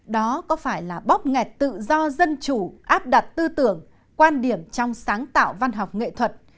đó có phải là bóp nghẹt tự do dân chủ áp đặt tư tưởng quan điểm trong sáng tạo văn học nghệ thuật